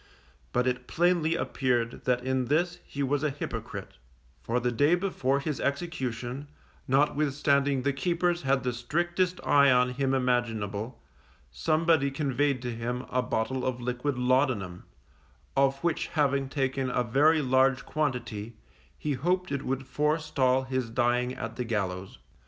But it plainly appeared that in this he was a hypocrite; for the day before his execution, notwithstanding the keepers had the strictest eye on him imaginable, somebody conveyed to him a bottle of liquid laudanum, of which having taken a very large quantity, he hoped it would forestall his dying at the gallows.